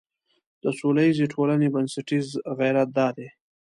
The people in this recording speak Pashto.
د سولیزې ټولنې بنسټیز غیرت دا دی.